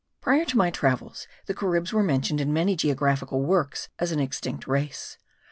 Prior to my travels, the Caribs were mentioned in many geographical works as an extinct race.